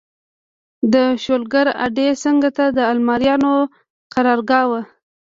د شولګر اډې څنګ ته د المانیانو قرارګاه وه.